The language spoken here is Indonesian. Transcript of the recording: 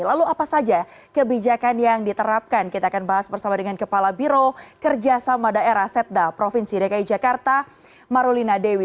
lalu apa saja kebijakan yang diterapkan kita akan bahas bersama dengan kepala biro kerjasama daerah setda provinsi dki jakarta marulina dewi